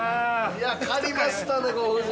◆いや、狩りましたね、ご夫人。